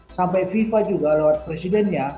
sampai fifa juga lewat presidennya